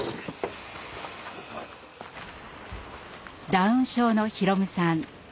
ダウン症の宏夢さん。